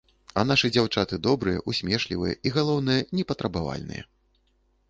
А нашы дзяўчаты добрыя, усмешлівыя і, галоўнае, непатрабавальныя.